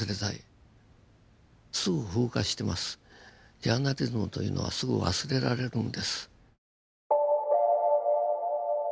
ジャーナリズムというのはすぐ忘れられるんです。